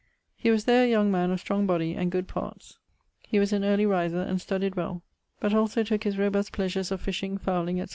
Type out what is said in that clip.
He was there a young man of strong body, and good parts. He was an early riser and studyed well, but also tooke his robust pleasures of fishing, fowling, &c.